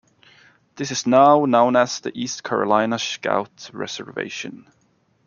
This is now known as the East Carolina Scout Reservation.